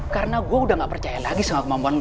karena gue udah gak percaya lagi sama kemampuan lo